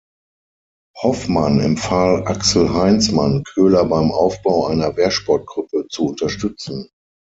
Hoffmann empfahl Axel Heinzmann, Köhler beim Aufbau einer Wehrsportgruppe zu unterstützen.